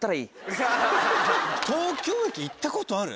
東京駅行ったことある？